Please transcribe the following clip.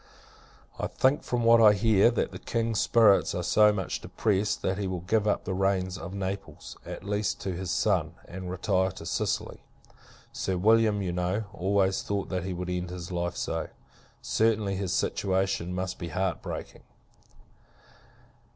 I think, from what I hear, that the King's spirits are so much depressed, that he will give up the reins of Naples, at least, to his son, and retire to Sicily. Sir William, you know, always thought, that he would end his life so. Certainly, his situation must be heart breaking!